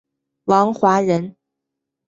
王华人。